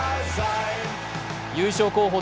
優勝候補